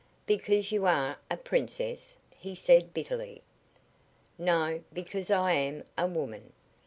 "Because you are a princess," he said, bitterly. "No; because I am a woman.